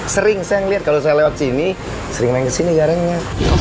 sering saya ngeliat kalau saya lewat sini sering main kesini garengnya